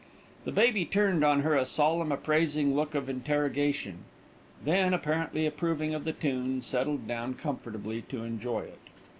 The baby turned on her a solemn, appraising look of interrogation, then, apparently approving of the tune, settled down comfortably to enjoy it.